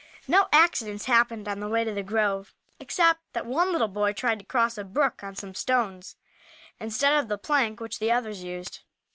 No accidents happened on the way to the grove, except that one little boy tried to cross a brook on some stones, instead of the plank which the others used.